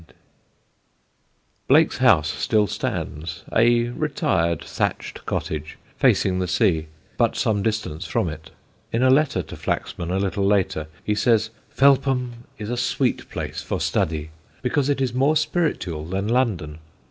[Sidenote: THE PROPHETS AT FELPHAM] Blake's house still stands, a retired, thatched cottage, facing the sea, but some distance from it. In a letter to Flaxman a little later, he says, "Felpham is a sweet place for study, because it is more spiritual than London.